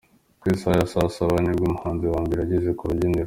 Ku isaha ya saa saba ni bwo umuhanzi wa mbere yageze ku rubyiniro.